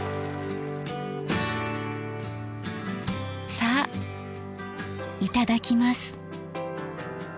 さあいただきます。